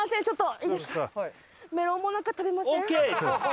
ちょっといいですか？